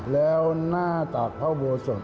แล้วหน้าตากพระบวชศน